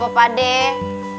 udah apa pak deh